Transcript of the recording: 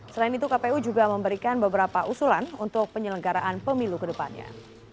selain itu kpu juga memberikan beberapa usulan untuk penyelenggaraan pemilu kedepannya